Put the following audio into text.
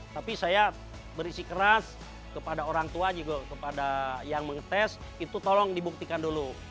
tapi saya berisi keras kepada orang tua juga kepada yang mengetes itu tolong dibuktikan dulu